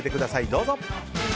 どうぞ。